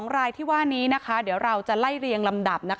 ๒รายที่ว่านี้นะคะเดี๋ยวเราจะไล่เรียงลำดับ